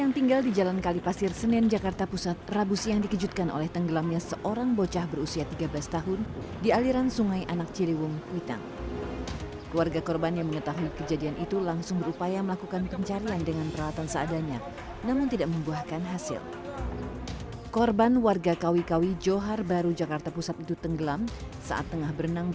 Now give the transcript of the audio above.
padahal diketahui korban tidak mahir berenang